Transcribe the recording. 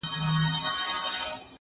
زه ليک لوستی دی،